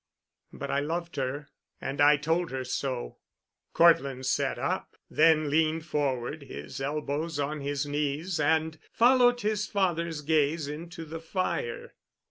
But I loved her, and I told her so." Cortland sat up, then leaned forward, his elbows on his knees, and followed his father's gaze into the fire.